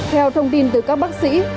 theo thông tin từ các bác sĩ